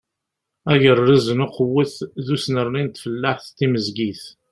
Agerrez n uqewwet d usnerni n tfellaḥt timezgit.